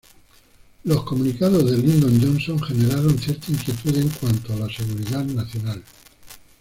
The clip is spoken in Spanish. Los comunicados de Lyndon Johnson generaron ciertas inquietudes en cuanto a la seguridad nacional.